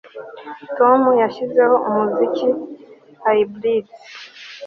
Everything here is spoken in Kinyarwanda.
Tom yashyizeho umuziki Hybrid